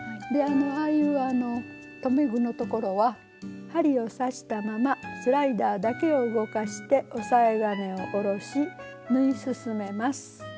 ああいう留め具のところは針を刺したままスライダーだけを動かして押さえ金を下ろし縫い進めます。